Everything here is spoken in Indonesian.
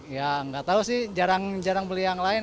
ya nggak tahu sih jarang jarang beli yang lain